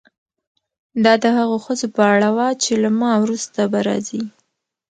دا د هغو ښځو په اړه وه چې له ما وروسته به راځي.